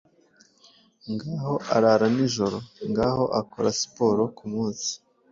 Ngaho arara nijoro; Ngaho akora siporo kumunsi,